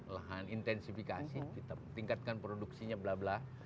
lahan intensifikasi kita tingkatkan produksinya bla bla